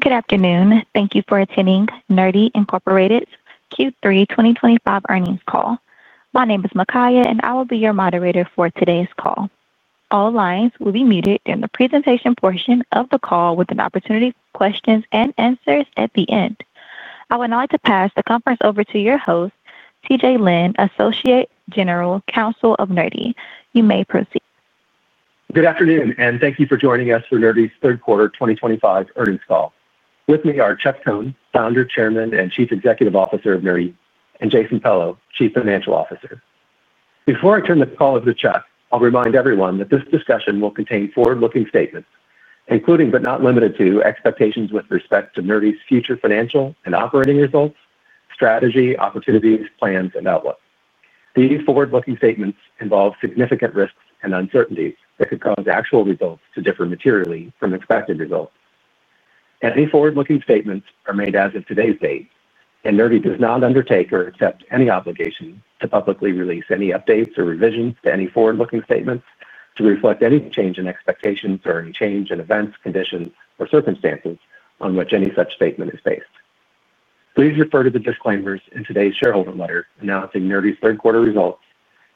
Good afternoon. Thank you for attending Nerdy Incorporated's Q3 2025 earnings call. My name is Makaya, and I will be your moderator for today's call. All lines will be muted during the presentation portion of the call, with an opportunity for questions and answers at the end. I would now like to pass the conference over to your host, TJ Lynn, Associate General Counsel of Nerdy. You may proceed. Good afternoon, and thank you for joining us for Nerdy's third quarter 2025 earnings call. With me are Chuck Cohn, Founder, Chairman and Chief Executive Officer of Nerdy, and Jason Pello, Chief Financial Officer. Before I turn this call over to Chuck, I'll remind everyone that this discussion will contain forward-looking statements, including but not limited to expectations with respect to Nerdy's future financial and operating results, strategy, opportunities, plans, and outlook. These forward-looking statements involve significant risks and uncertainties that could cause actual results to differ materially from expected results. Any forward-looking statements are made as of today's date, and Nerdy does not undertake or accept any obligation to publicly release any updates or revisions to any forward-looking statements to reflect any change in expectations or any change in events, conditions, or circumstances on which any such statement is based. Please refer to the disclaimers in today's shareholder letter announcing Nerdy's third quarter results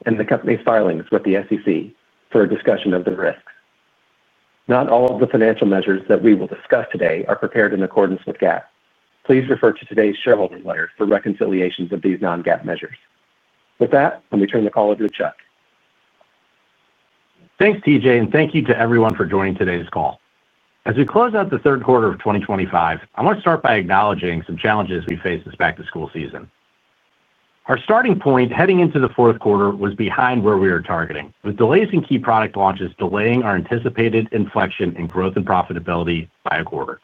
and the company's filings with the SEC for a discussion of the risks. Not all of the financial measures that we will discuss today are prepared in accordance with GAAP. Please refer to today's shareholder letter for reconciliations of these non-GAAP measures. With that, let me turn the call over to Chuck. Thanks, TJ, and thank you to everyone for joining today's call. As we close out the third quarter of 2025, I want to start by acknowledging some challenges we faced this back-to-school season. Our starting point heading into the fourth quarter was behind where we were targeting, with delays in key product launches delaying our anticipated inflection in growth and profitability by a quarter.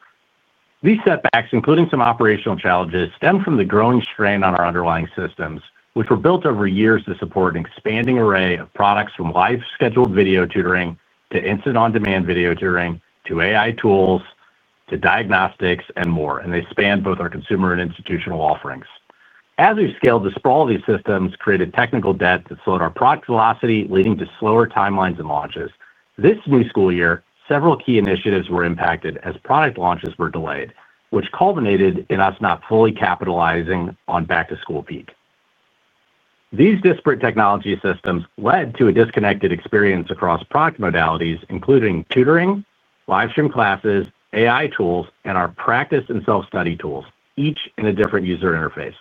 These setbacks, including some operational challenges, stem from the growing strain on our underlying systems, which were built over years to support an expanding array of products from live-scheduled video tutoring to instant on-demand video tutoring to AI tools to diagnostics and more, and they spanned both our consumer and institutional offerings. As we scaled to sprawl, these systems created technical debt that slowed our product velocity, leading to slower timelines and launches. This new school year, several key initiatives were impacted as product launches were delayed, which culminated in us not fully capitalizing on back-to-school peak. These disparate technology systems led to a disconnected experience across product modalities, including tutoring, live-stream classes, AI tools, and our practice and self-study tools, each in a different user interface.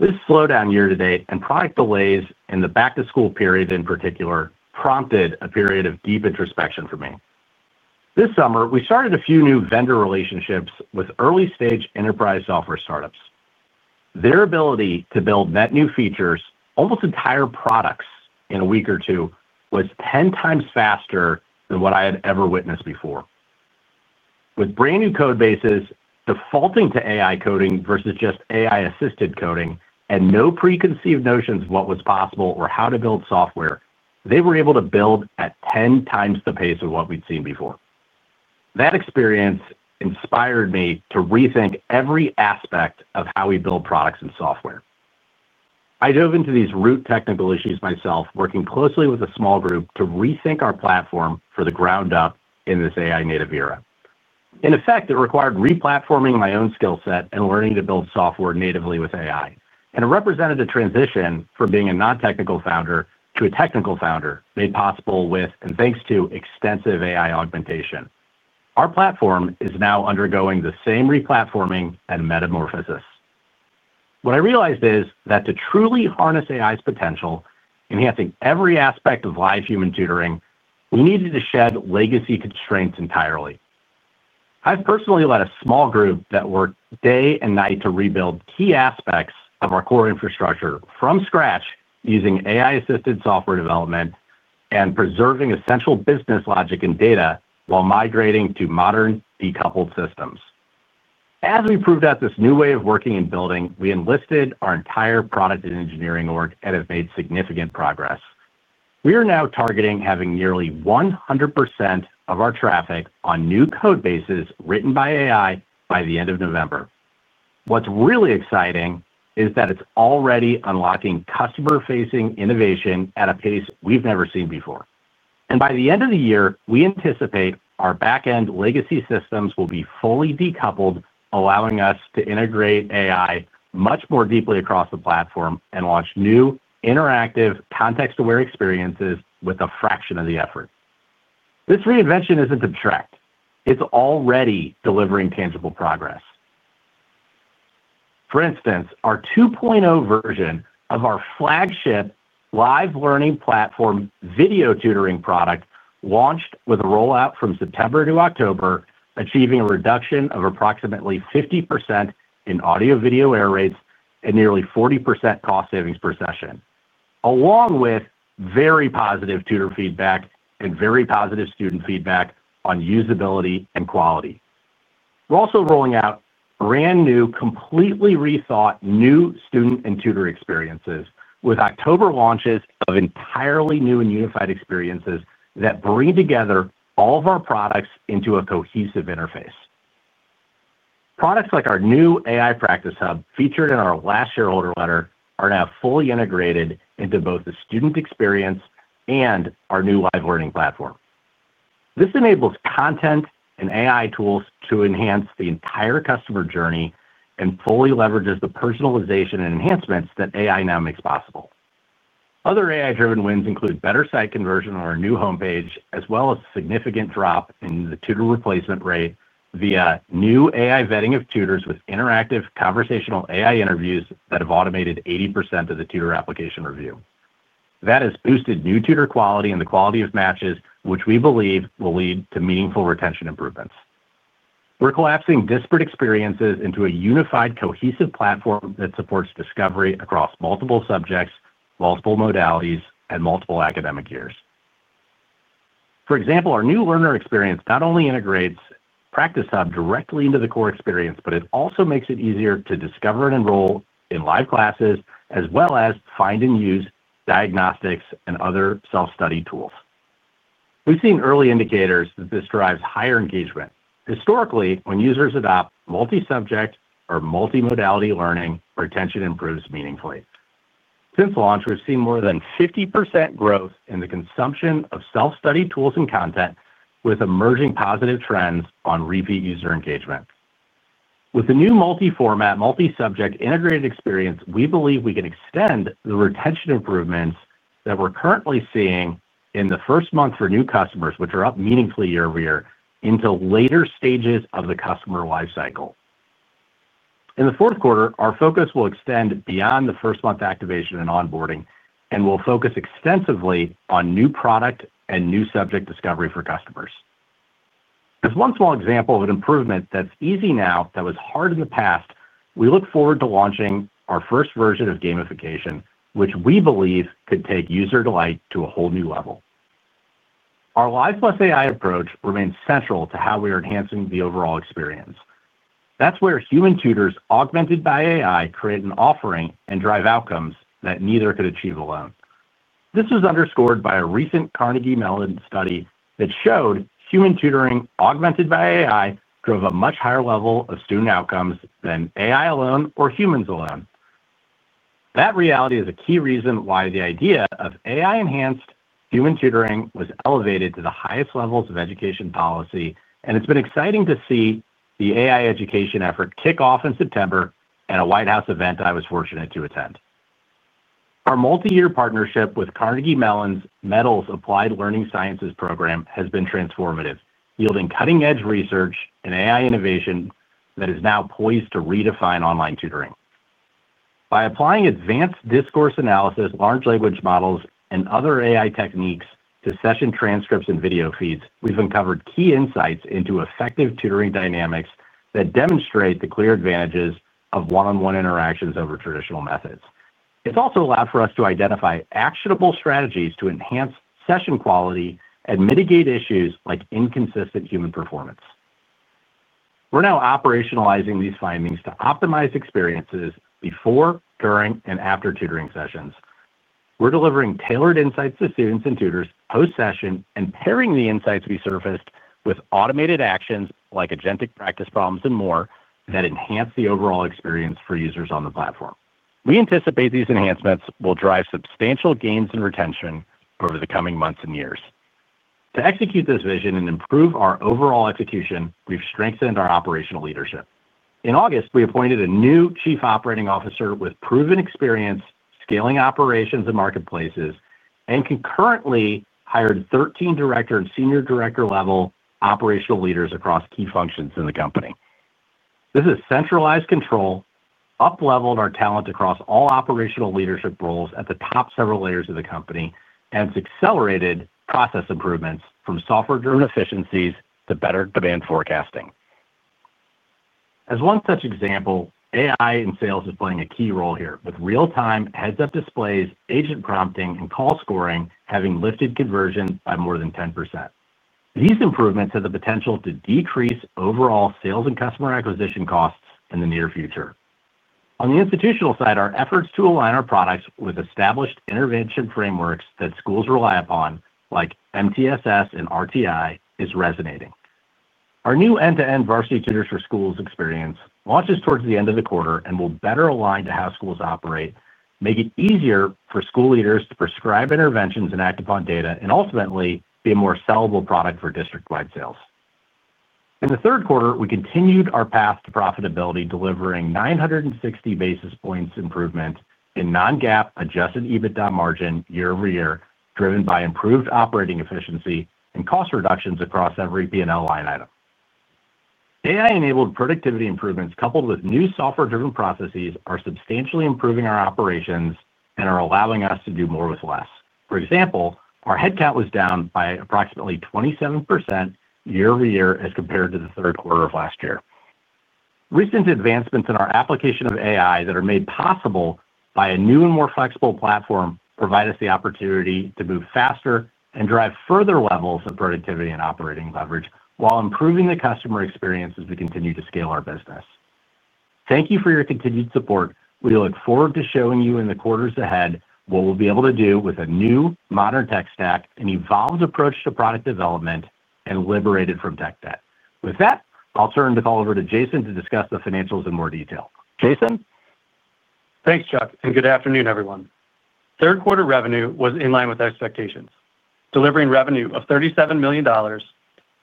This slowdown year-to-date and product delays in the back-to-school period in particular prompted a period of deep introspection for me. This summer, we started a few new vendor relationships with early-stage enterprise software startups. Their ability to build net-new features, almost entire products in a week or two, was 10 times faster than what I had ever witnessed before. With brand-new code bases defaulting to AI coding versus just AI-assisted coding and no preconceived notions of what was possible or how to build software, they were able to build at 10 times the pace of what we'd seen before. That experience inspired me to rethink every aspect of how we build products and software. I dove into these root technical issues myself, working closely with a small group to rethink our platform from the ground up in this AI-native era. In effect, it required replatforming my own skill set and learning to build software natively with AI, and it represented a transition from being a non-technical founder to a technical founder made possible with and thanks to extensive AI augmentation. Our platform is now undergoing the same replatforming and metamorphosis. What I realized is that to truly harness AI's potential, enhancing every aspect of live human tutoring, we needed to shed legacy constraints entirely. I've personally led a small group that worked day and night to rebuild key aspects of our core infrastructure from scratch using AI-assisted software development and preserving essential business logic and data while migrating to modern decoupled systems. As we proved out this new way of working and building, we enlisted our entire product and engineering org and have made significant progress. We are now targeting having nearly 100% of our traffic on new code bases written by AI by the end of November. What's really exciting is that it's already unlocking customer-facing innovation at a pace we've never seen before. By the end of the year, we anticipate our back-end legacy systems will be fully decoupled, allowing us to integrate AI much more deeply across the platform and launch new interactive context-aware experiences with a fraction of the effort. This reinvention is not abstract. It is already delivering tangible progress. For instance, our 2.0 version of our flagship Live Learning Platform video tutoring product launched with a rollout from September to October, achieving a reduction of approximately 50% in audio-video error rates and nearly 40% cost savings per session, along with very positive tutor feedback and very positive student feedback on usability and quality. We are also rolling out brand-new, completely rethought new student and tutor experiences with October launches of entirely new and unified experiences that bring together all of our products into a cohesive interface. Products like our new AI Practice Hub, featured in our last shareholder letter, are now fully integrated into both the student experience and our new Live Learning Platform. This enables content and AI tools to enhance the entire customer journey and fully leverages the personalization and enhancements that AI now makes possible. Other AI-driven wins include better site conversion on our new homepage, as well as a significant drop in the tutor replacement rate via new AI vetting of tutors with interactive conversational AI interviews that have automated 80% of the tutor application review. That has boosted new tutor quality and the quality of matches, which we believe will lead to meaningful retention improvements. We're collapsing disparate experiences into a unified, cohesive platform that supports discovery across multiple subjects, multiple modalities, and multiple academic years. For example, our new learner experience not only integrates Practice Hub directly into the core experience, but it also makes it easier to discover and enroll in live classes, as well as find and use diagnostics and other self-study tools. We've seen early indicators that this drives higher engagement. Historically, when users adopt multi-subject or multi-modality learning, retention improves meaningfully. Since launch, we've seen more than 50% growth in the consumption of self-study tools and content, with emerging positive trends on repeat user engagement. With the new multi-format, multi-subject integrated experience, we believe we can extend the retention improvements that we're currently seeing in the first month for new customers, which are up meaningfully year-over-year, into later stages of the customer lifecycle. In the fourth quarter, our focus will extend beyond the first month activation and onboarding, and we'll focus extensively on new product and new subject discovery for customers. As one small example of an improvement that's easy now that was hard in the past, we look forward to launching our first version of gamification, which we believe could take user delight to a whole new level. Our live plus AI approach remains central to how we are enhancing the overall experience. That's where human tutors augmented by AI create an offering and drive outcomes that neither could achieve alone. This was underscored by a recent Carnegie Mellon study that showed human tutoring augmented by AI drove a much higher level of student outcomes than AI alone or humans alone. That reality is a key reason why the idea of AI-enhanced human tutoring was elevated to the highest levels of education policy, and it's been exciting to see the AI education effort kick off in September at a White House event I was fortunate to attend. Our multi-year partnership with Carnegie Mellon's Meadows Applied Learning Sciences program has been transformative, yielding cutting-edge research and AI innovation that is now poised to redefine online tutoring. By applying advanced discourse analysis, large language models, and other AI techniques to session transcripts and video feeds, we've uncovered key insights into effective tutoring dynamics that demonstrate the clear advantages of one-on-one interactions over traditional methods. It's also allowed for us to identify actionable strategies to enhance session quality and mitigate issues like inconsistent human performance. We're now operationalizing these findings to optimize experiences before, during, and after tutoring sessions. We're delivering tailored insights to students and tutors post-session and pairing the insights we surfaced with automated actions like agentic practice problems and more that enhance the overall experience for users on the platform. We anticipate these enhancements will drive substantial gains in retention over the coming months and years. To execute this vision and improve our overall execution, we've strengthened our operational leadership. In August, we appointed a new Chief Operating Officer with proven experience scaling operations and marketplaces and concurrently hired 13 director and senior director-level operational leaders across key functions in the company. This has centralized control, up-leveled our talent across all operational leadership roles at the top several layers of the company, and it's accelerated process improvements from software-driven efficiencies to better demand forecasting. As one such example, AI in sales is playing a key role here, with real-time heads-up displays, agent prompting, and call scoring having lifted conversion by more than 10%. These improvements have the potential to decrease overall sales and customer acquisition costs in the near future. On the institutional side, our efforts to align our products with established intervention frameworks that schools rely upon, like MTSS and RTI, are resonating. Our new end-to-end Varsity Tutors for Schools experience launches towards the end of the quarter and will better align to how schools operate, making it easier for school leaders to prescribe interventions and act upon data, and ultimately be a more sellable product for district-wide sales. In the third quarter, we continued our path to profitability, delivering 960 basis points improvement in non-GAAP Adjusted EBITDA margin year-over-year, driven by improved operating efficiency and cost reductions across every P&L line item. AI-enabled productivity improvements, coupled with new software-driven processes, are substantially improving our operations and are allowing us to do more with less. For example, our headcount was down by approximately 27% year-over-year as compared to the third quarter of last year. Recent advancements in our application of AI that are made possible by a new and more flexible platform provide us the opportunity to move faster and drive further levels of productivity and operating leverage while improving the customer experience as we continue to scale our business. Thank you for your continued support. We look forward to showing you in the quarters ahead what we'll be able to do with a new, modern tech stack, an evolved approach to product development, and liberated from tech debt. With that, I'll turn the call over to Jason to discuss the financials in more detail. Jason. Thanks, Chuck, and good afternoon, everyone. Third quarter revenue was in line with expectations, delivering revenue of $37 million.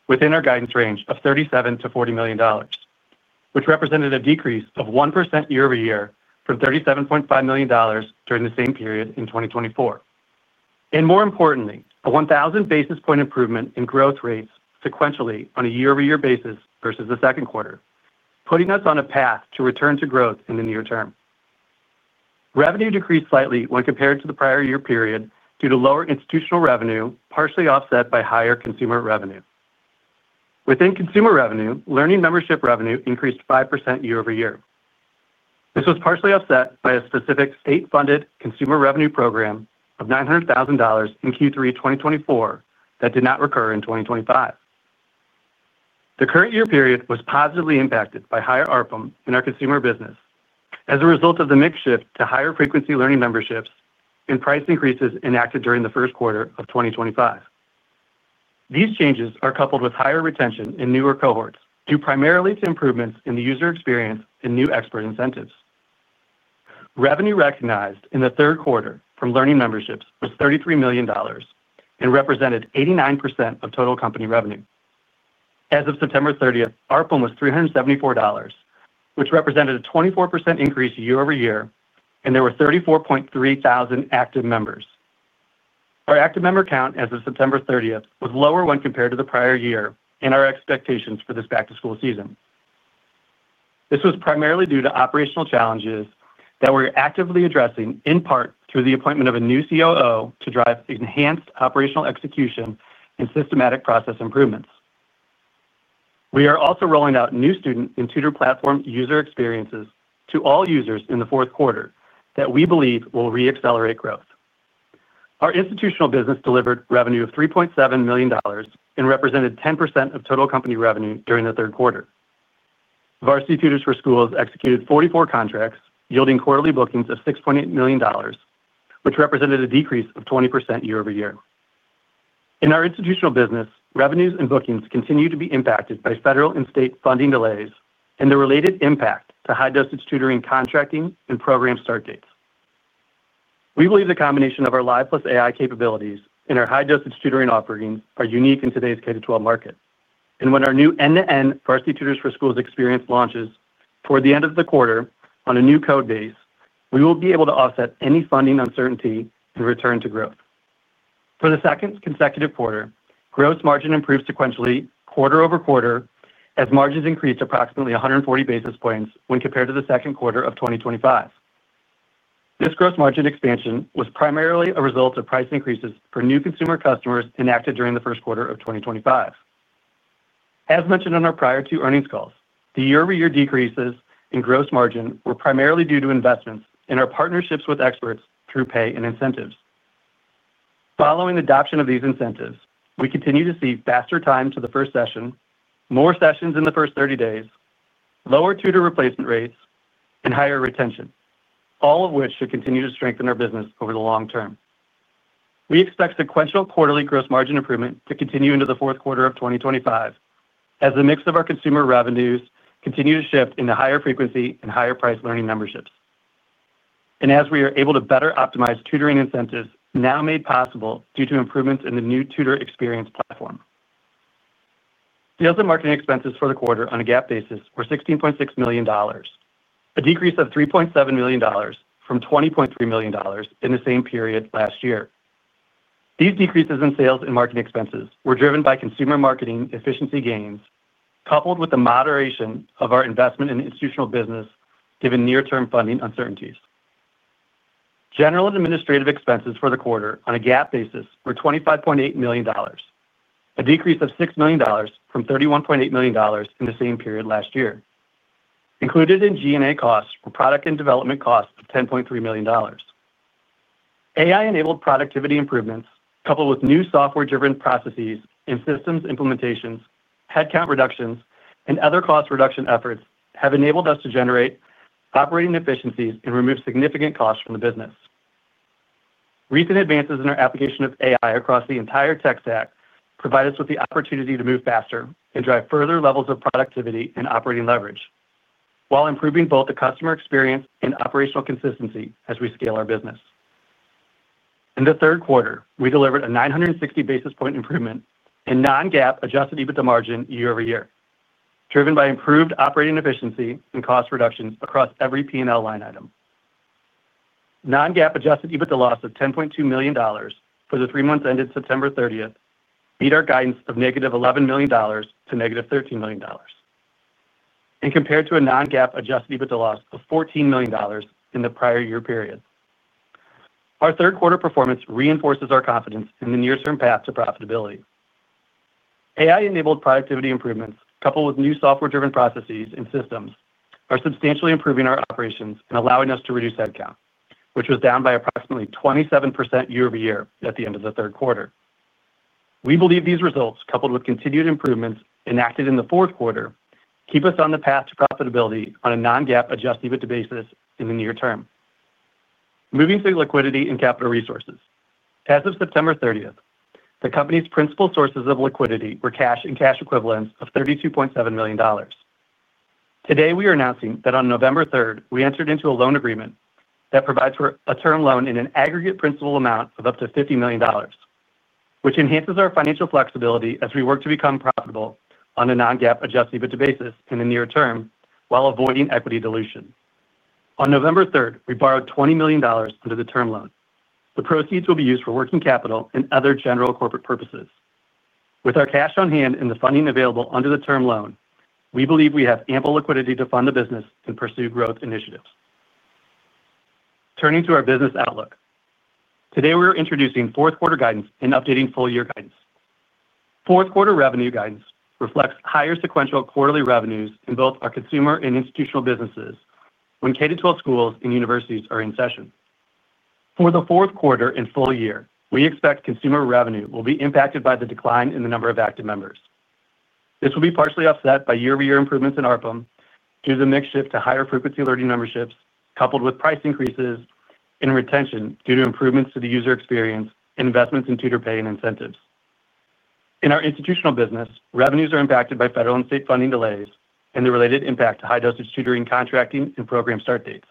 Within our guidance range of $37-$40 million, which represented a decrease of 1% year-over-year from $37.5 million during the same period in 2024. More importantly, a 1,000 basis point improvement in growth rates sequentially on a year-over-year basis versus the second quarter, putting us on a path to return to growth in the near term. Revenue decreased slightly when compared to the prior year period due to lower institutional revenue, partially offset by higher consumer revenue. Within consumer revenue, learning membership revenue increased 5% year-over-year. This was partially offset by a specific state-funded consumer revenue program of $900,000 in Q3 2024 that did not recur in 2025. The current year period was positively impacted by higher ARPM in our consumer business as a result of the mix shift to higher frequency learning memberships and price increases enacted during the first quarter of 2025. These changes are coupled with higher retention in newer cohorts due primarily to improvements in the user experience and new expert incentives. Revenue recognized in the third quarter from Learning Memberships was $33 million. It represented 89% of total company revenue. As of September 30, ARPM was $374, which represented a 24% increase year-over-year, and there were 34,300 active members. Our active member count as of September 30 was lower when compared to the prior year and our expectations for this back-to-school season. This was primarily due to operational challenges that we're actively addressing, in part through the appointment of a new COO to drive enhanced operational execution and systematic process improvements. We are also rolling out new student and tutor platform user experiences to all users in the fourth quarter that we believe will re-accelerate growth. Our institutional business delivered revenue of $3.7 million and represented 10% of total company revenue during the third quarter. Varsity Tutors for Schools executed 44 contracts, yielding quarterly bookings of $6.8 million, which represented a decrease of 20% year-over-year. In our institutional business, revenues and bookings continue to be impacted by federal and state funding delays and the related impact to high-dosage tutoring contracting and program start dates. We believe the combination of our Live + AI capabilities and our high-dosage tutoring offerings are unique in today's K-12 market. When our new end-to-end Varsity Tutors for Schools experience launches toward the end of the quarter on a new code base, we will be able to offset any funding uncertainty and return to growth. For the second consecutive quarter, gross margin improved sequentially quarter over quarter as margins increased approximately 140 basis points when compared to the second quarter of 2025. This gross margin expansion was primarily a result of price increases for new consumer customers enacted during the first quarter of 2025. As mentioned on our prior two earnings calls, the year-over-year decreases in gross margin were primarily due to investments in our partnerships with experts through pay and incentives. Following the adoption of these incentives, we continue to see faster time to the first session, more sessions in the first 30 days, lower tutor replacement rates, and higher retention, all of which should continue to strengthen our business over the long term. We expect sequential quarterly gross margin improvement to continue into the fourth quarter of 2025 as the mix of our consumer revenues continues to shift into higher frequency and higher price Learning Memberships. As we are able to better optimize tutoring incentives, now made possible due to improvements in the new tutor experience platform. Sales and marketing expenses for the quarter on a GAAP basis were $16.6 million, a decrease of $3.7 million from $20.3 million in the same period last year. These decreases in sales and marketing expenses were driven by consumer marketing efficiency gains, coupled with the moderation of our investment in institutional business given near-term funding uncertainties. General and administrative expenses for the quarter on a GAAP basis were $25.8 million, a decrease of $6 million from $31.8 million in the same period last year. Included in G&A costs were product and development costs of $10.3 million. AI-enabled productivity improvements, coupled with new software-driven processes and systems implementations, headcount reductions, and other cost reduction efforts, have enabled us to generate operating efficiencies and remove significant costs from the business. Recent advances in our application of AI across the entire tech stack provide us with the opportunity to move faster and drive further levels of productivity and operating leverage, while improving both the customer experience and operational consistency as we scale our business. In the third quarter, we delivered a 960 basis point improvement in non-GAAP Adjusted EBITDA margin year-over-year, driven by improved operating efficiency and cost reductions across every P&L line item. Non-GAAP Adjusted EBITDA loss of $10.2 million for the three months ended September 30 beat our guidance of -$11 million to -$13 million. Compared to a non-GAAP Adjusted EBITDA loss of $14 million in the prior year period. Our third quarter performance reinforces our confidence in the near-term path to profitability. AI-enabled productivity improvements, coupled with new software-driven processes and systems, are substantially improving our operations and allowing us to reduce headcount, which was down by approximately 27% year-over-year at the end of the third quarter. We believe these results, coupled with continued improvements enacted in the fourth quarter, keep us on the path to profitability on a non-GAAP Adjusted EBITDA basis in the near term. Moving to liquidity and capital resources. As of September 30, the company's principal sources of liquidity were cash and cash equivalents of $32.7 million. Today, we are announcing that on November 3, we entered into a loan agreement that provides for a term loan in an aggregate principal amount of up to $50 million, which enhances our financial flexibility as we work to become profitable on a non-GAAP Adjusted EBITDA basis in the near term while avoiding equity dilution. On November 3rd, we borrowed $20 million under the term loan. The proceeds will be used for working capital and other general corporate purposes. With our cash on hand and the funding available under the term loan, we believe we have ample liquidity to fund the business and pursue growth initiatives. Turning to our business outlook, today we are introducing fourth quarter guidance and updating full-year guidance. Fourth quarter revenue guidance reflects higher sequential quarterly revenues in both our consumer and institutional businesses when K-12 schools and universities are in session. For the fourth quarter and full year, we expect consumer revenue will be impacted by the decline in the number of active members. This will be partially offset by year-over-year improvements in ARPM due to the mix shift to higher frequency Learning Memberships, coupled with price increases and retention due to improvements to the user experience and investments in tutor pay and incentives. In our institutional business, revenues are impacted by federal and state funding delays and the related impact to high-dosage tutoring contracting and program start dates.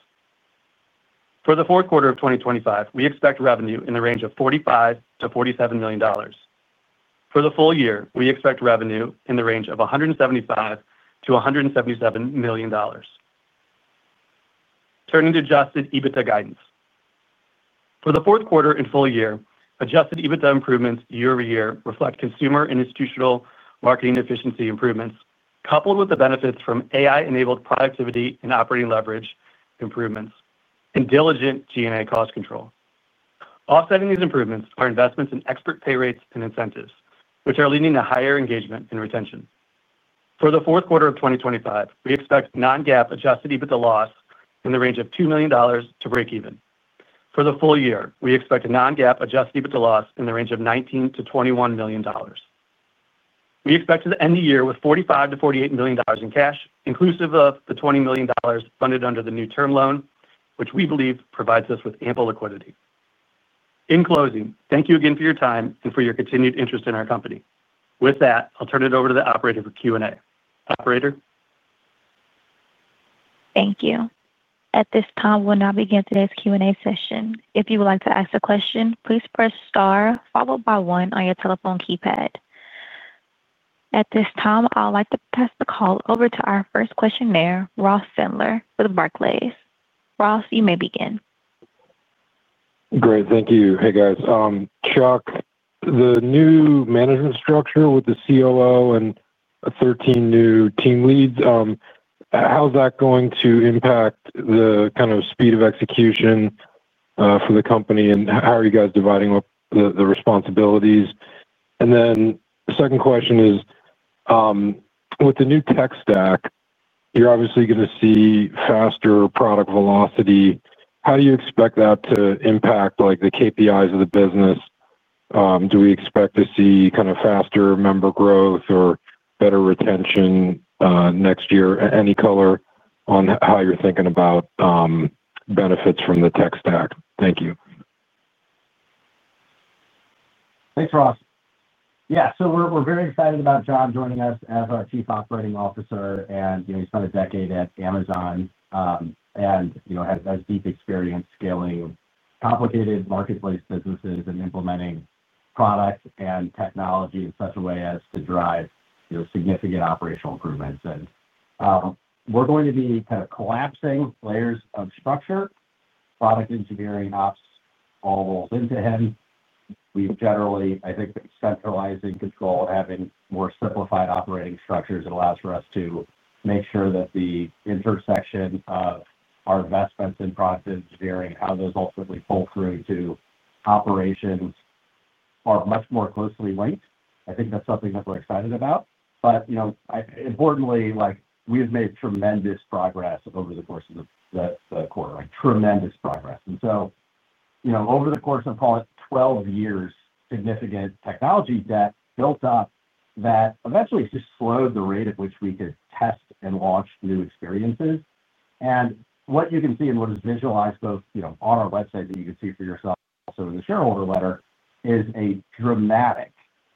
For the fourth quarter of 2025, we expect revenue in the range of $45-$47 million. For the full year, we expect revenue in the range of $175-$177 million. Turning to Adjusted EBITDA guidance. For the fourth quarter and full year, Adjusted EBITDA improvements year-over-year reflect consumer and institutional marketing efficiency improvements, coupled with the benefits from AI-enabled productivity and operating leverage improvements and diligent G&A cost control. Offsetting these improvements are investments in expert pay rates and incentives, which are leading to higher engagement and retention. For the fourth quarter of 2025, we expect non-GAAP Adjusted EBITDA loss in the range of $2 million to break even. For the full year, we expect a non-GAAP Adjusted EBITDA loss in the range of $19-$21 million. We expect to end the year with $45-$48 million in cash, inclusive of the $20 million funded under the new term loan, which we believe provides us with ample liquidity. In closing, thank you again for your time and for your continued interest in our company. With that, I'll turn it over to the operator for Q&A. Operator. Thank you. At this time, we'll now begin today's Q&A session. If you would like to ask a question, please press star followed by one on your telephone keypad. At this time, I'd like to pass the call over to our first questioner, Ross Sandler with Barclays. Ross, you may begin. Great. Thank you. Hey, guys. Chuck, the new management structure with the COO and 13 new team leads, how is that going to impact the kind of speed of execution for the company? And how are you guys dividing up the responsibilities? The second question is, with the new tech stack, you're obviously going to see faster product velocity. How do you expect that to impact the KPIs of the business? Do we expect to see kind of faster member growth or better retention next year? Any color on how you're thinking about benefits from the tech stack? Thank you. Thanks, Ross. Yeah, so we're very excited about John joining us as our Chief Operating Officer. He spent a decade at Amazon. He has deep experience scaling complicated marketplace businesses and implementing product and technology in such a way as to drive significant operational improvements. We are going to be kind of collapsing layers of structure, product engineering, ops, all roles into him. We have generally, I think, been centralizing control, having more simplified operating structures. It allows for us to make sure that the intersection of our investments in product engineering and how those ultimately fall through to operations are much more closely linked. I think that is something that we are excited about. Importantly, we have made tremendous progress over the course of the quarter, tremendous progress. Over the course of, call it, 12 years, significant technology debt built up that eventually just slowed the rate at which we could test and launch new experiences. What you can see and what is visualized both on our website that you can see for yourself, also in the shareholder letter, is a dramatic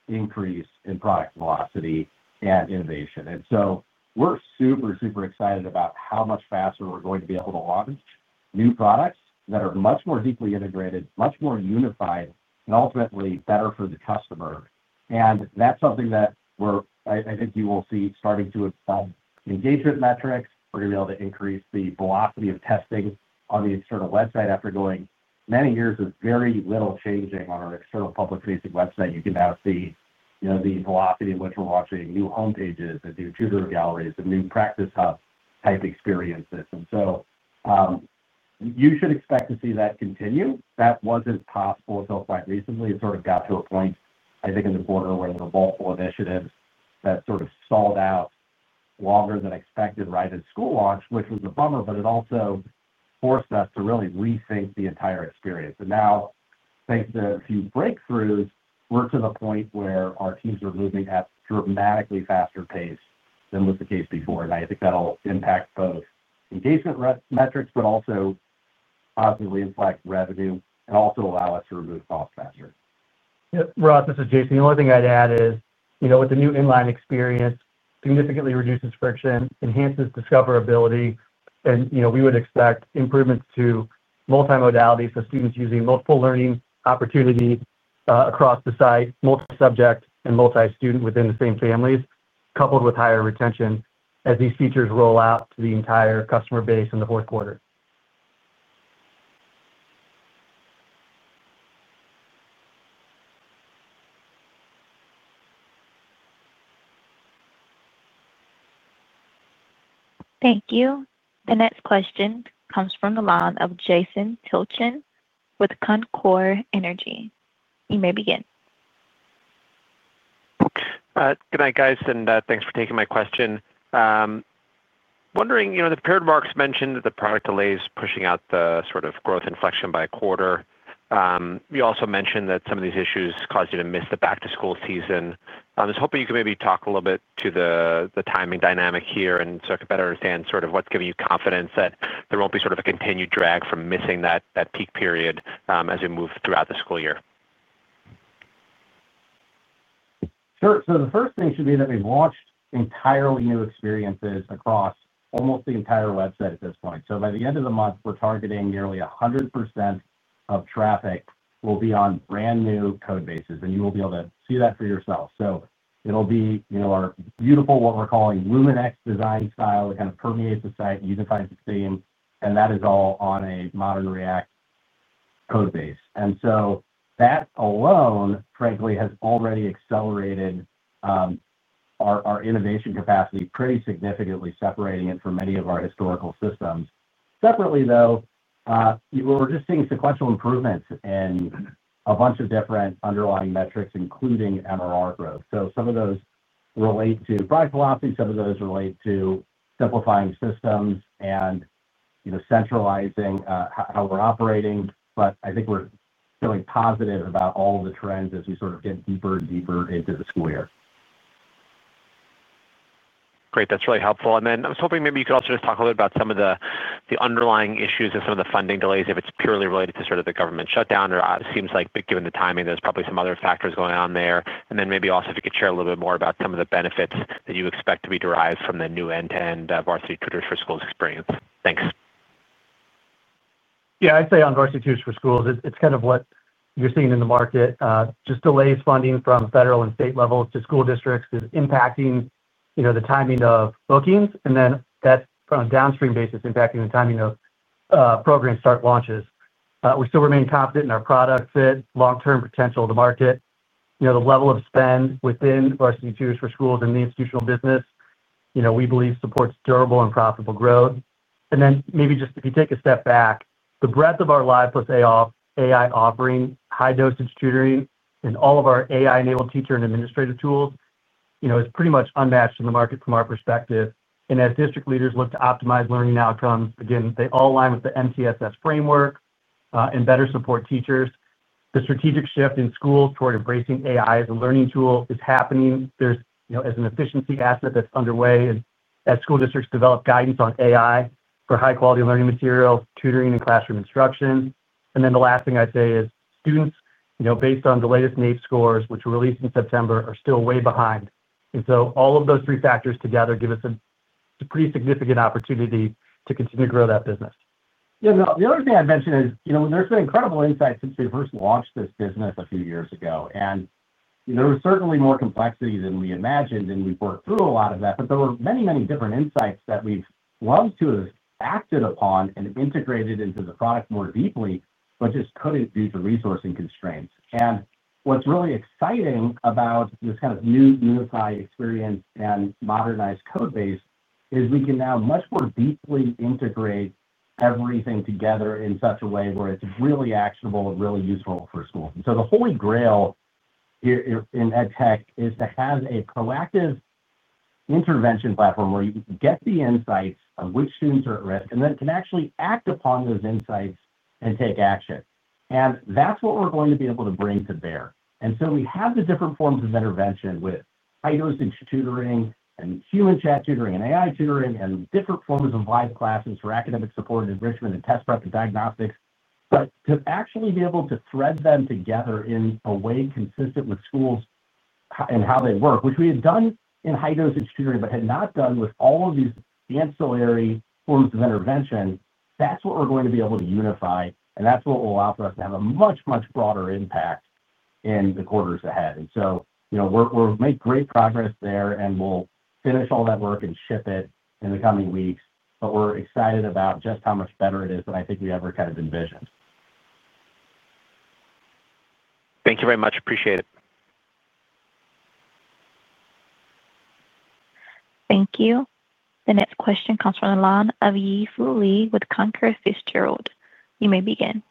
increase in product velocity and innovation. We are super, super excited about how much faster we are going to be able to launch new products that are much more deeply integrated, much more unified, and ultimately better for the customer. That is something that we are, I think you will see starting to, engagement metrics. We are going to be able to increase the velocity of testing on the external website after going many years of very little changing on our external public-facing website. You can now see the velocity in which we are launching new homepages and new tutor galleries and new practice hub type experiences. You should expect to see that continue. That was not possible until quite recently. It sort of got to a point, I think, in the quarter where there were multiple initiatives that sort of stalled out. Longer than expected right at school launch, which was a bummer. It also forced us to really rethink the entire experience. Now, thanks to a few breakthroughs, we're to the point where our teams are moving at a dramatically faster pace than was the case before. I think that'll impact both engagement metrics, but also positively impact revenue and also allow us to remove costs faster. Ross, this is Jason. The only thing I'd add is with the new inline experience, significantly reduces friction, enhances discoverability. We would expect improvements to multimodality for students using multiple learning opportunities across the site, multi-subject, and multi-student within the same families, coupled with higher retention as these features roll out to the entire customer base in the fourth quarter. Thank you. The next question comes from the line of Jason Tilchen with Concord Energy. You may begin. Good night, guys, and thanks for taking my question. Wondering, the parent marks mentioned that the product delays pushing out the sort of growth inflection by a quarter. You also mentioned that some of these issues caused you to miss the back-to-school season. I was hoping you could maybe talk a little bit to the timing dynamic here and so I could better understand sort of what's giving you confidence that there won't be sort of a continued drag from missing that peak period as we move throughout the school year. Sure. The first thing should be that we've launched entirely new experiences across almost the entire website at this point. By the end of the month, we're targeting nearly 100% of traffic will be on brand new code bases, and you will be able to see that for yourself. It'll be our beautiful, what we're calling Luminex design style that kind of permeates the site, unifies the theme, and that is all on a modern React code base. That alone, frankly, has already accelerated our innovation capacity pretty significantly, separating it from many of our historical systems. Separately, though, we're just seeing sequential improvements in a bunch of different underlying metrics, including MRR growth. Some of those relate to product velocity. Some of those relate to simplifying systems and centralizing how we're operating. I think we're feeling positive about all the trends as we sort of get deeper and deeper into the school year. Great. That's really helpful. I was hoping maybe you could also just talk a little bit about some of the underlying issues and some of the funding delays if it's purely related to sort of the government shutdown. It seems like, given the timing, there's probably some other factors going on there. Maybe also if you could share a little bit more about some of the benefits that you expect to be derived from the new end-to-end Varsity Tutors for Schools experience. Thanks. Yeah, I'd say on Varsity Tutors for Schools, it's kind of what you're seeing in the market. Just delays funding from federal and state levels to school districts is impacting the timing of bookings, and then that's on a downstream basis, impacting the timing of program start launches. We still remain confident in our product fit, long-term potential of the market. The level of spend within Varsity Tutors for Schools and the institutional business, we believe, supports durable and profitable growth. Maybe just if you take a step back, the breadth of our Live + AI offering, high-dosage tutoring, and all of our AI-enabled teacher and administrative tools is pretty much unmatched in the market from our perspective. As district leaders look to optimize learning outcomes, again, they all align with the MTSS framework and better support teachers. The strategic shift in schools toward embracing AI as a learning tool is happening. There's, as an efficiency asset that's underway, as school districts develop guidance on AI for high-quality learning materials, tutoring, and classroom instruction. The last thing I'd say is students, based on the latest NAEP scores, which were released in September, are still way behind. All of those three factors together give us a pretty significant opportunity to continue to grow that business. Yeah, no, the other thing I'd mention is there's been incredible insights since we first launched this business a few years ago. There was certainly more complexity than we imagined, and we've worked through a lot of that. There were many, many different insights that we've loved to have acted upon and integrated into the product more deeply, but just couldn't due to resourcing constraints. What's really exciting about this kind of new unified experience and modernized code base is we can now much more deeply integrate everything together in such a way where it's really actionable and really useful for schools. The holy grail in edtech is to have a proactive intervention platform where you get the insights on which students are at risk and then can actually act upon those insights and take action. That's what we're going to be able to bring to bear. We have the different forms of intervention with high-dosage tutoring and human chat tutoring and AI tutoring and different forms of live classes for academic support and enrichment and test prep and diagnostics. To actually be able to thread them together in a way consistent with schools and how they work, which we had done in high-dosage tutoring but had not done with all of these ancillary forms of intervention, that is what we are going to be able to unify, and that is what will allow for us to have a much, much broader impact in the quarters ahead. We will make great progress there, and we will finish all that work and ship it in the coming weeks. We are excited about just how much better it is than I think we ever kind of envisioned. Thank you very much. Appreciate it. Thank you. The next question comes from the line of Yi Fu Lee with Cantor Fitzgerald. You may begin.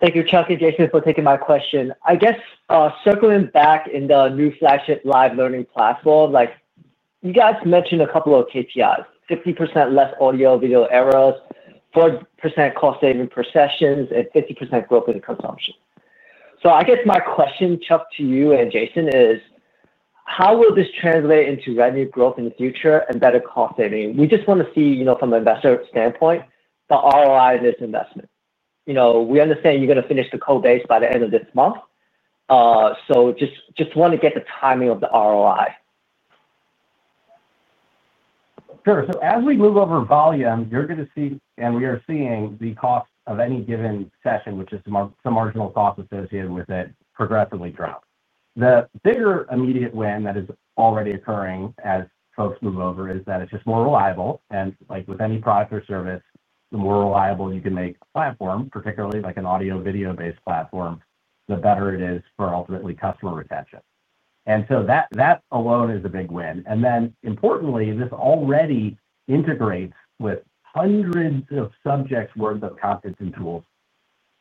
Thank you, Chuck and Jason, for taking my question. I guess circling back in the new flagship Live Learning Platform, you guys mentioned a couple of KPIs: 50% less audio-video errors, 4% cost-saving per session, and 50% growth in consumption. I guess my question, Chuck, to you and Jason is, how will this translate into revenue growth in the future and better cost-saving? We just want to see, from an investor standpoint, the ROI of this investment. We understand you're going to finish the code base by the end of this month. Just want to get the timing of the ROI. Sure. As we move over volume, you're going to see, and we are seeing, the cost of any given session, which is some marginal cost associated with it, progressively drop. The bigger immediate win that is already occurring as folks move over is that it's just more reliable. With any product or service, the more reliable you can make a platform, particularly an audio-video-based platform, the better it is for ultimately customer retention. That alone is a big win. Importantly, this already integrates with hundreds of subjects' worth of content and tools,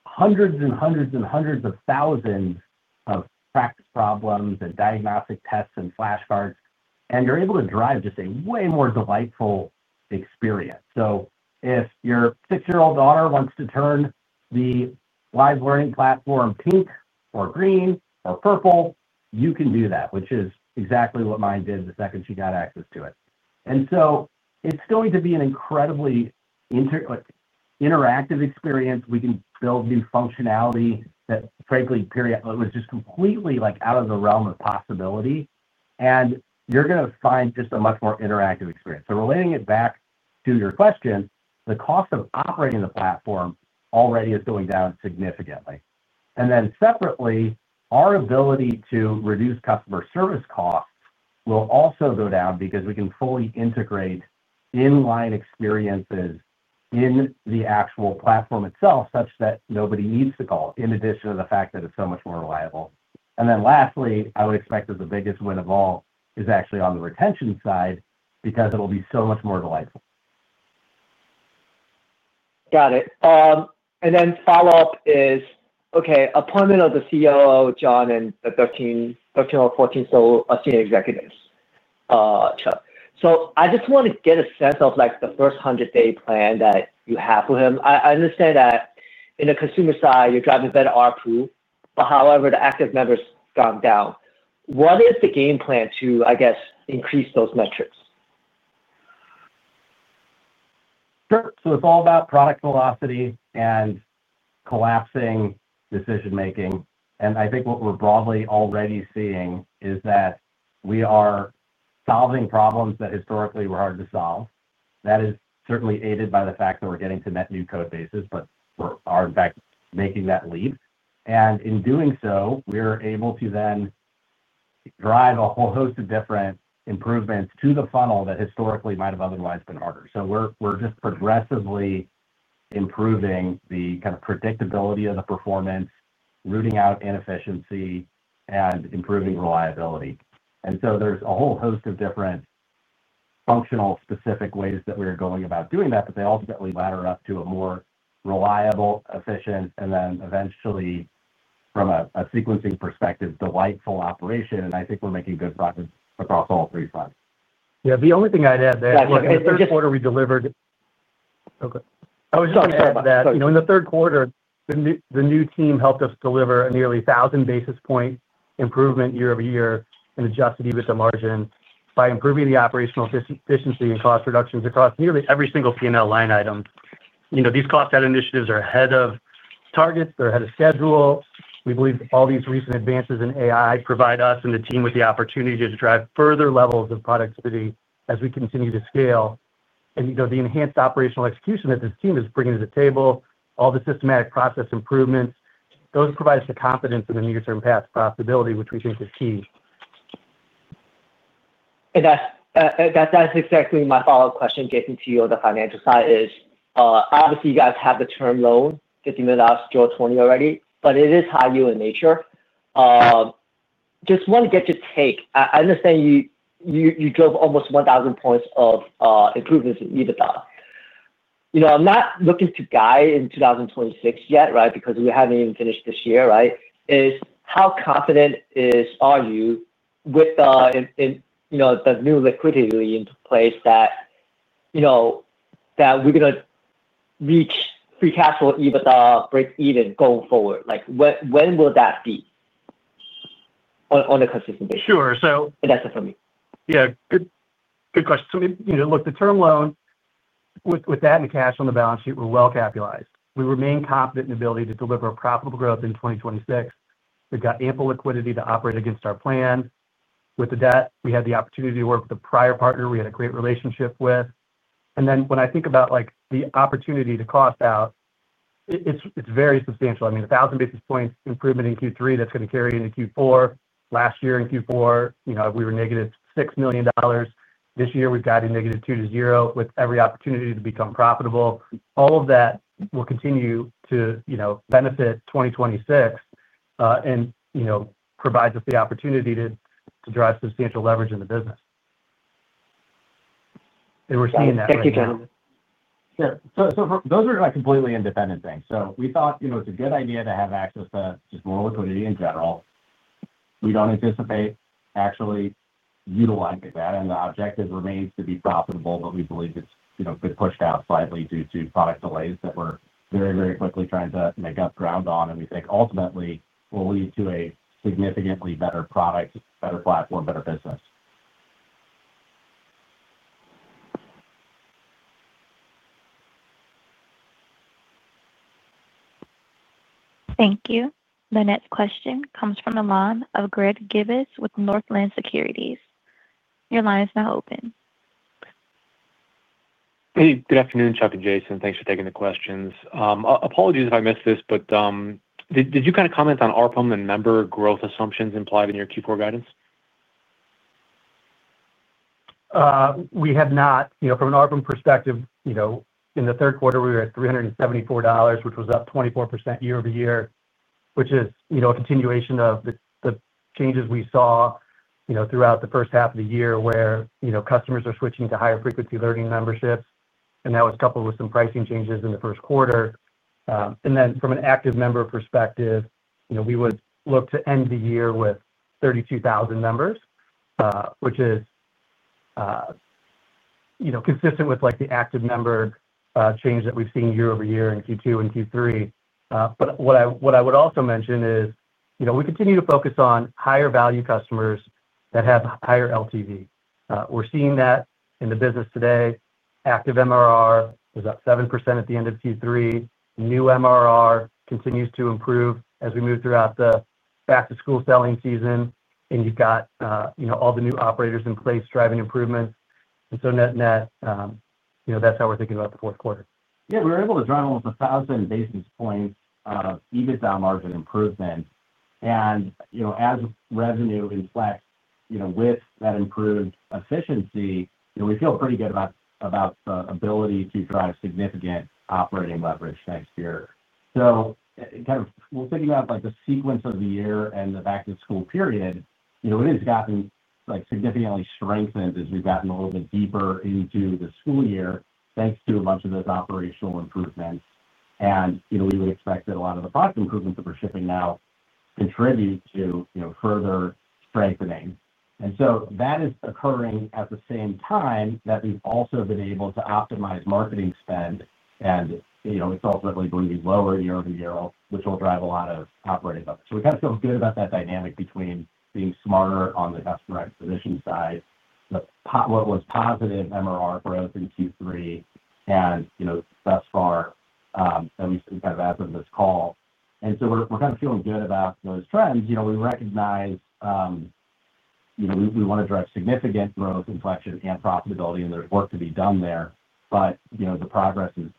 hundreds and hundreds and hundreds of thousands of practice problems and diagnostic tests and flashcards, and you're able to drive just a way more delightful experience. If your six-year-old daughter wants to turn the Live Learning Platform pink or green or purple, you can do that, which is exactly what mine did the second she got access to it. It is going to be an incredibly interactive experience. We can build new functionality that, frankly, was just completely out of the realm of possibility. You are going to find just a much more interactive experience. Relating it back to your question, the cost of operating the platform already is going down significantly. Separately, our ability to reduce customer service costs will also go down because we can fully integrate inline experiences in the actual platform itself such that nobody needs to call, in addition to the fact that it is so much more reliable. Lastly, I would expect that the biggest win of all is actually on the retention side because it will be so much more delightful. Got it. The follow-up is, okay, appointment of the COO, John, and the 13 or 14 senior executives. I just want to get a sense of the first 100-day plan that you have for him. I understand that in the consumer side, you are driving better ARPU, but however, the active members have gone down. What is the game plan to, I guess, increase those metrics? Sure. It is all about product velocity and collapsing decision-making. I think what we broadly already are seeing is that we are solving problems that historically were hard to solve. That is certainly aided by the fact that we are getting to net new code bases, but we are, in fact, making that leap. In doing so, we are able to then drive a whole host of different improvements to the funnel that historically might have otherwise been harder. We are just progressively improving the kind of predictability of the performance, rooting out inefficiency, and improving reliability. There is a whole host of different functional-specific ways that we are going about doing that, but they ultimately ladder up to a more reliable, efficient, and then eventually, from a sequencing perspective, delightful operation. I think we're making good progress across all three fronts. The only thing I'd add there is that in the third quarter, we delivered. Okay, I was just going to add that in the third quarter, the new team helped us deliver a nearly 1,000 basis point improvement year over year in Adjusted EBITDA margin by improving the operational efficiency and cost reductions across nearly every single P&L line item. These cost-set initiatives are ahead of targets. They're ahead of schedule. We believe all these recent advances in AI provide us and the team with the opportunity to drive further levels of productivity as we continue to scale. The enhanced operational execution that this team is bringing to the table, all the systematic process improvements, those provide us the confidence in the near-term path to profitability, which we think is key. That's exactly my follow-up question getting to you on the financial side. Obviously, you guys have the term loan, $50 million during 2020 already, but it is high yield in nature. Just want to get your take. I understand you drove almost 1,000 basis points of improvements in EBITDA. I'm not looking to guide in 2026 yet, right, because we haven't even finished this year, right? How confident are you with the new liquidity in place that we're going to reach free cash flow, EBITDA, break even, going forward? When will that be on a consistent basis? Sure. That's it for me. Yeah. Good question. Look, the term loan, with that and cash on the balance sheet, we're well-capitalized. We remain confident in the ability to deliver profitable growth in 2026. We've got ample liquidity to operate against our plan. With the debt, we had the opportunity to work with a prior partner we had a great relationship with. And then when I think about the opportunity to cost out. It's very substantial. I mean, 1,000 basis points improvement in Q3 that's going to carry into Q4. Last year in Q4, we were -$6 million. This year, we've gotten -$2 million-$0 with every opportunity to become profitable. All of that will continue to benefit 2026 and provide us the opportunity to drive substantial leverage in the business. And we're seeing that right now. Thank you, Jason. Yeah. So those are completely independent things. So we thought it's a good idea to have access to just more liquidity in general. We don't anticipate actually utilizing that. The objective remains to be profitable, but we believe it's been pushed out slightly due to product delays that we're very, very quickly trying to make up ground on. We think ultimately it will lead to a significantly better product, better platform, better business. Thank you. The next question comes from the line of Greg Gibas with Northland Securities. Your line is now open. Hey. Good afternoon, Chuck and Jason. Thanks for taking the questions. Apologies if I missed this, but did you kind of comment on ARPM and member growth assumptions implied in your Q4 guidance? We have not. From an ARPM perspective, in the third quarter, we were at $374, which was up 24% year over year, which is a continuation of the changes we saw throughout the first half of the year where customers are switching to higher-frequency learning memberships. That was coupled with some pricing changes in the first quarter. From an active member perspective, we would look to end the year with 32,000 members, which is consistent with the active member change that we've seen year over year in Q2 and Q3. What I would also mention is we continue to focus on higher-value customers that have higher LTV. We're seeing that in the business today. Active MRR was up 7% at the end of Q3. New MRR continues to improve as we move throughout the back-to-school selling season. You have all the new operators in place driving improvements. Net net, that's how we're thinking about the fourth quarter. We were able to drive almost 1,000 basis points of EBITDA margin improvement. As revenue inflects with that improved efficiency, we feel pretty good about the ability to drive significant operating leverage next year. Kind of thinking about the sequence of the year and the back-to-school period, it has gotten significantly strengthened as we've gotten a little bit deeper into the school year thanks to a bunch of those operational improvements. We would expect that a lot of the product improvements that we're shipping now contribute to further strengthening. That is occurring at the same time that we've also been able to optimize marketing spend. It's ultimately going to be lower year over year, which will drive a lot of operating leverage. We kind of feel good about that dynamic between being smarter on the customer acquisition side, what was positive MRR growth in Q3, and thus far, at least kind of as of this call. We're kind of feeling good about those trends. We recognize we want to drive significant growth, inflection, and profitability, and there's work to be done there. The progress is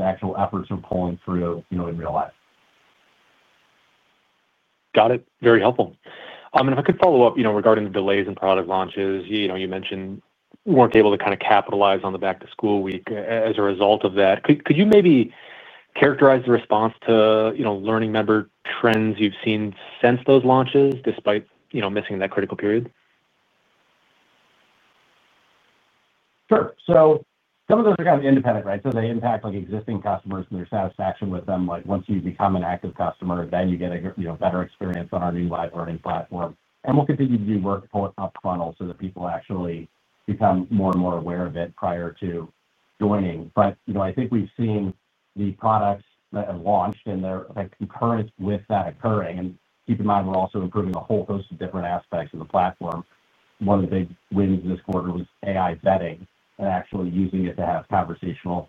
actual efforts are pulling through in real life. Got it. Very helpful. If I could follow up regarding the delays in product launches, you mentioned you weren't able to kind of capitalize on the back-to-school week as a result of that. Could you maybe characterize the response to learning member trends you've seen since those launches despite missing that critical period? Sure. Some of those are kind of independent, right? They impact existing customers and their satisfaction with them. Once you become an active customer, then you get a better experience on our new Live Learning Platform. We will continue to do work for up funnel so that people actually become more and more aware of it prior to joining. I think we've seen the products that have launched and their concurrence with that occurring. Keep in mind, we're also improving a whole host of different aspects of the platform. One of the big wins this quarter was AI vetting and actually using it to have conversational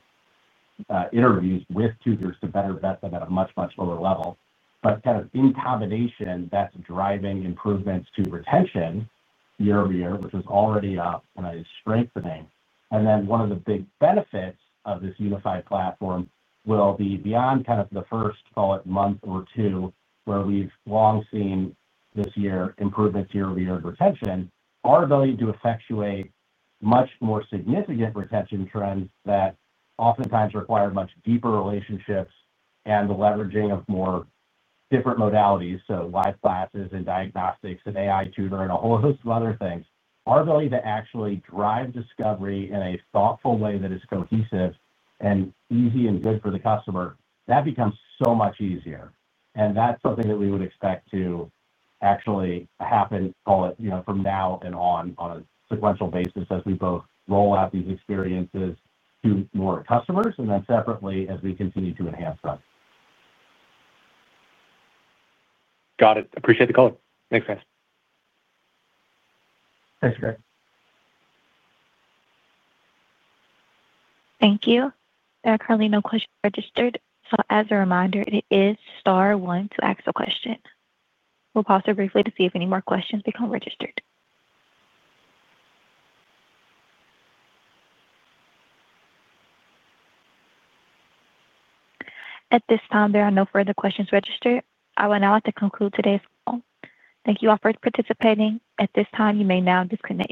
interviews with two peers to better vet them at a much, much lower level. Kind of in combination, that's driving improvements to retention year over year, which was already up and is strengthening. One of the big benefits of this unified platform will be beyond kind of the first, call it, month or two, where we've long seen this year improvements year over year in retention, our ability to effectuate much more significant retention trends that oftentimes require much deeper relationships and the leveraging of more different modalities, so live classes and diagnostics and AI tutor and a whole host of other things, our ability to actually drive discovery in a thoughtful way that is cohesive and easy and good for the customer, that becomes so much easier. That is something that we would expect to actually happen, call it, from now and on on a sequential basis as we both roll out these experiences to more customers and then separately as we continue to enhance them. Got it. Appreciate the call. Thanks, guys. Thanks, Greg. Thank you. There are currently no questions registered. As a reminder, it is star one to ask a question. We'll pause briefly to see if any more questions become registered. At this time, there are no further questions registered. I would now like to conclude today's call. Thank you all for participating. At this time, you may now disconnect.